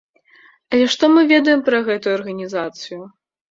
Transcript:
Але што мы ведаем пра гэтую арганізацыю?